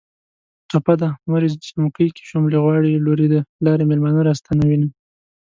ټپه ده.: موریې جمکی کې شوملې غواړي ــــ لوریې د لارې مېلمانه را ستنوینه